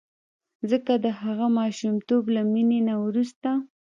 ځکه د هغه ماشومتوب له مینې نه وروسته.